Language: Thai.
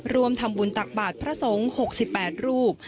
รวมทำบุญตักบาทพระสงฆ์๖๘รูป